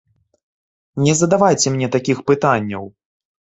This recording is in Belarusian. Не задавайце мне такіх пытанняў.